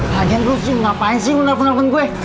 pak gareng lu sih ngapain sih nge lepon lepon gue